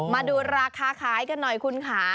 มาดูราคาขายกันหน่อยคุณค่ะ